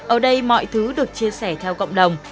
ở đây mọi thứ được chia sẻ theo cộng đồng